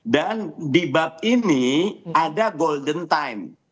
dan di bab ini ada golden time